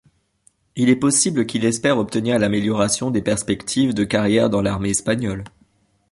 Il est possible qu'il espère obtenir l'amélioration des perspectives de carrière dans l'armée espagnole.